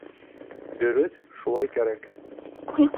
— Дөрөҫ, шулай кәрәк!